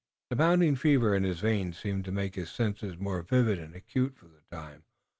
The mounting fever in his veins seemed to make his senses more vivid and acute for the time.